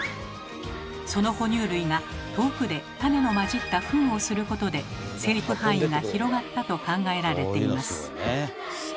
その哺乳類が遠くで種の混じったフンをすることで生育範囲が広がったと考えられています。